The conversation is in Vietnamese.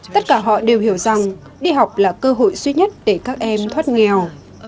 tất cả họ đều hiểu rằng đi học là cơ hội duy nhất để các em thoát nghèo